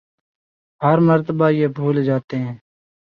ہر مرتبہ یہ بھول جاتے ہیں